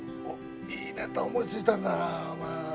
いいネタ思いついたんだよお前。